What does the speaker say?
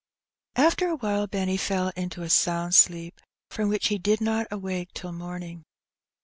After awhile Benny fell into a sound sleep, from which he did not awake till morning.